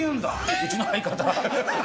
うちの相方。